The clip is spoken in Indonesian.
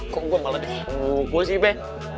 kok gue malah dihukum gue sih bek